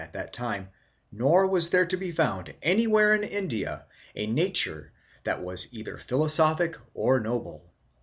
at that time, nor was there to be found anywhere in India ἃ nature that. was either philosophic or noble.